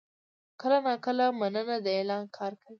کله ناکله «مننه» د اعلان کار کوي.